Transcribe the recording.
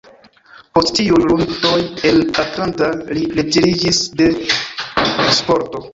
Post tiuj ludoj en Atlanta li retiriĝis de sporto.